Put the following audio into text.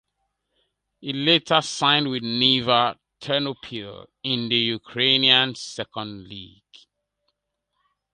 He later signed with Nyva Ternopil in the Ukrainian Second League.